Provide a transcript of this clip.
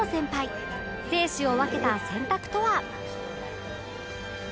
生死を分けた選択とは？